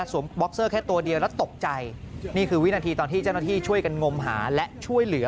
บ็อกเซอร์แค่ตัวเดียวแล้วตกใจนี่คือวินาทีตอนที่เจ้าหน้าที่ช่วยกันงมหาและช่วยเหลือ